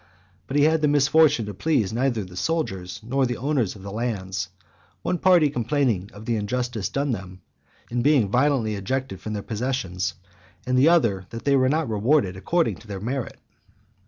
But he had the misfortune to please neither the soldiers nor the owners of the lands; one party complaining of the injustice done them, in being violently ejected from their possessions, and the other, that they were not rewarded according to their merit.